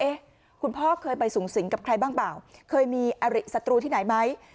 คุณพ่อเคยไปสูงสิงกับใครบ้างเปล่าเคยมีอริสัตรูที่ไหนไหม